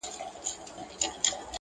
خپل پر ټولو فیصلو دستي پښېمان سو,